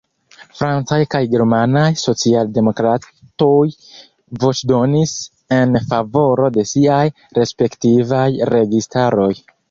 Francaj kaj germanaj socialdemokratoj voĉdonis en favoro de siaj respektivaj registaroj.